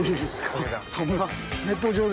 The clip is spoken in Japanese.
そんな。